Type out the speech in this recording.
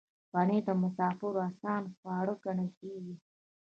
پنېر د مسافرو آسان خواړه ګڼل کېږي.